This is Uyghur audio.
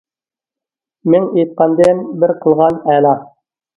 مىڭ ئېيتقاندىن بىر قىلغان ئەلا.